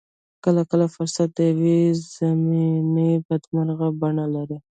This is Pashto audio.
کله کله فرصت د يوې ضمني بدمرغۍ بڼه لري.